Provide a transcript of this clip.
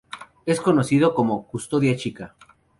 Es conocido como "Custodia Chica".